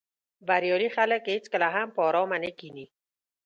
بریالي خلک هېڅکله هم په آرامه نه کیني.